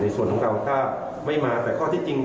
ส่วนของเก่าถ้าไม่มาแต่ข้อที่จริง